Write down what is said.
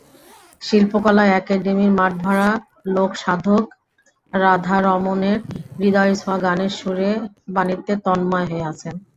শিল্পকলা একাডেমীর মাঠভরা লোক সাধক রাধারমণের হূদয়ছোঁয়া গানের সুরে-বাণীতে তন্ময় হয়ে আছেন।